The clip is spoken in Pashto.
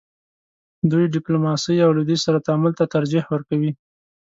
دوی ډیپلوماسۍ او لویدیځ سره تعامل ته ترجیح ورکوي.